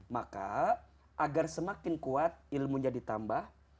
maka agar semakin kuat ilmunya ditambah